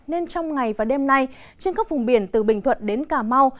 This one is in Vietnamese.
nên trong ngày và đêm nay trên các vùng biển từ bình thuận đến cà mau